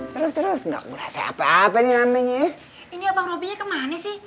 terus terus enggak berasa apa apa nih namanya ini abang robi ke mana sih